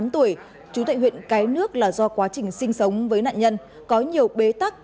bốn mươi tám tuổi trú tại huyện cái nước là do quá trình sinh sống với nạn nhân có nhiều bế tắc